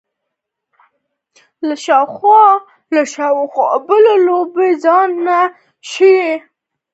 له شاوخوا بلو لمبو ځان نه شي ژغورلی.